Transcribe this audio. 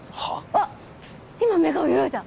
あっ今目が泳いだ！